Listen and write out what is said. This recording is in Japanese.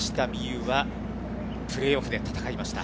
有はプレーオフで戦いました。